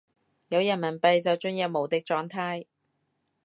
有人民幣就進入無敵狀態